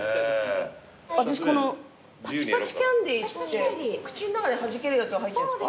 私このパチパチキャンディーって口の中ではじけるやつが入ってんですか？